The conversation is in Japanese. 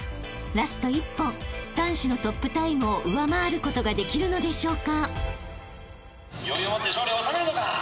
ラスト１本男子のトップタイムを上回ることができるのでしょうか？］